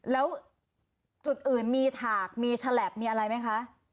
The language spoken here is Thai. แล้วจุดอื่นมีถากมีฉลับมีอะไรไหมคะ